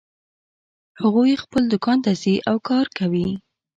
هغوی خپل دوکان ته ځي او کار کوي